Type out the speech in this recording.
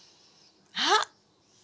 あっ！